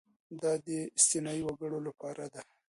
دا د استثنايي وګړو لپاره ده.